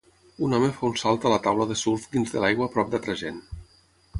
Un home fa un salt a la taula de surf dins de l'aigua a prop d'altra gent.